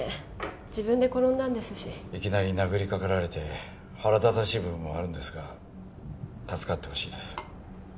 自分で転んだんですしいきなり殴りかかられて腹立たしい部分もあるんですが助かってほしいです